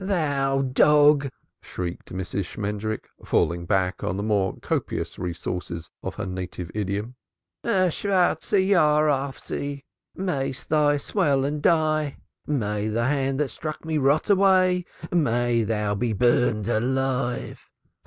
"Thou dog!" shrieked Mrs. Shmendrik, falling back on the more copious resources of her native idiom. "A black year on thee! Mayest thou swell and die! May the hand that struck me rot away! Mayest thou be burned alive!